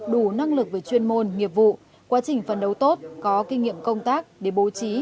đủ năng lực về chuyên môn nghiệp vụ quá trình phấn đấu tốt có kinh nghiệm công tác để bố trí